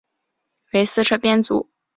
为四车编组。